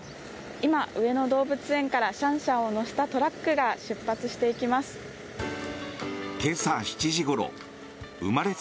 今、上野動物園からシャンシャンを乗せたトラックが出発していきます。